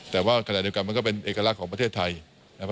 แต่ว่าขนาดเดียวกันก็เป็นเอกลักษณ์ของประเทศไทย